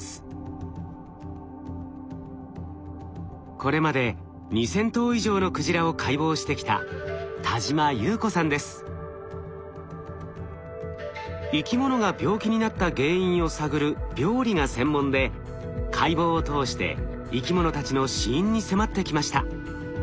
これまで２，０００頭以上のクジラを解剖してきた生き物が病気になった原因を探る病理が専門で解剖を通して生き物たちの死因に迫ってきました。